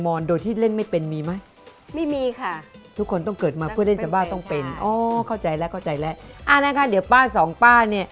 ต้องเล่นซาบ้าหาคู่ก่อนถึงจะแต่งงาน